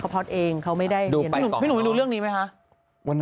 ก็พลัดเองเขาไม่ได้เป็น